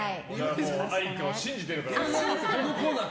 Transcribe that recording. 愛花を信じてるから、俺は。